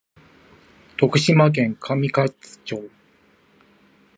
徳島県上勝町